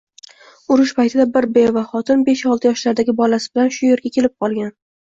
Urush paytida bir beva xotin besh-olti yoshlardagi bolasi bilan shu yerga kelib qolgan.